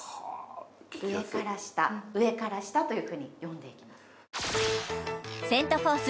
上から下上から下というふうに読んでいきます